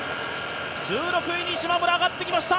１６位にしまむら、上がってきました